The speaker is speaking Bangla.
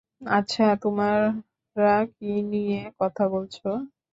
আচ্ছা, তোমরা কী নিয়ে কথা বলছ?